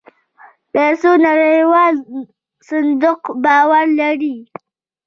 پيسو نړيوال صندوق باور لري.